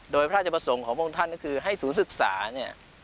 โดยพระราชบส่งครองมาบรรทันก็คือให้ศูนย์ศึกษาเนี่ย